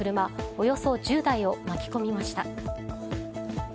およそ１０台を巻き込みました。